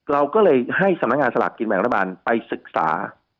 เราก็เลยให้สำนักงานสลากกินแบ่งรัฐบาลไปศึกษา